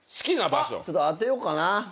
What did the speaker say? ちょっと当てようかな俺。